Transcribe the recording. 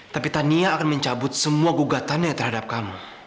tapi tania akan mencabut semua gugatannya terhadap kamu